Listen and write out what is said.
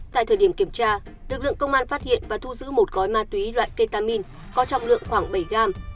tại thời điểm kiểm tra lực lượng công an phát hiện và thu giữ một gói ma túy loại ketamin có trọng lượng khoảng bảy gram